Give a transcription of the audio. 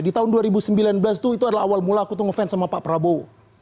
di tahun dua ribu sembilan belas tuh itu adalah awal mula aku tuh ngefans sama pak prabowo